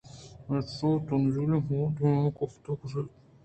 پمیشا تانزیاں ہما دمان ءَ گپت ءُ کُشت